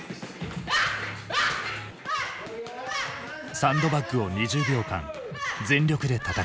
サンドバッグを２０秒間全力でたたく。